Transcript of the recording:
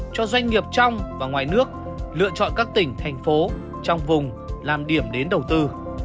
cho doanh nghiệp trong và ngoài nước lựa chọn các tỉnh thành phố trong vùng làm điểm đến đầu tư